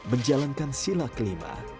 menjalankan sila kelima